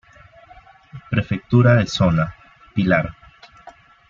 Prefectura de Zona: Pilar.